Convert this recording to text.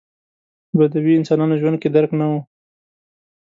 بدوي انسانانو ژوند کې درک نه و.